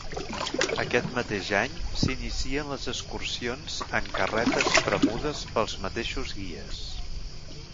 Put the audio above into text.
Aquest mateix any s'inicien les excursions en carretes premudes pels mateixos guies.